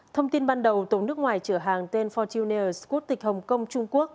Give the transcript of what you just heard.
thông tin ban đầu tổng nước ngoài trở hàng tên fortuners quốc tịch hồng kông trung quốc